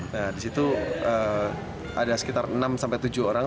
nah disitu ada sekitar enam sampai tujuh orang